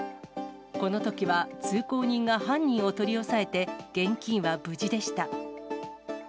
このときは通行人が犯人を取り押さえて、現金は無事でした。